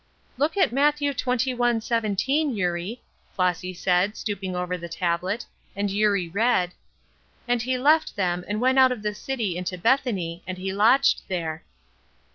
"Look at Matthew xxi. 17, Eurie," Flossy said, stooping over the tablet, and Eurie read: "'And he left them, and went out of the city into Bethany; and he lodged there.'"